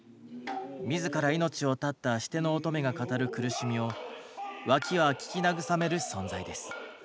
自ら命を絶ったシテのおとめが語る苦しみをワキは聞き慰める存在です。